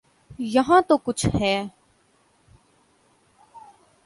یہاں تو کچھ ہے۔